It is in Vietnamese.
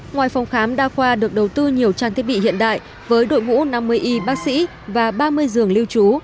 ngoài phòng khám đa khoa được đầu tư nhiều trang thiết bị hiện đại với đội ngũ năm mươi y bác sĩ và ba mươi giường lưu trú